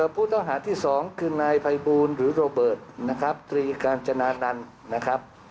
ผู้ต้องหาที่๒คือนายภัยบูลหรือโรเบิร์ตนะครับตรีกาญจนานันต์นะครับ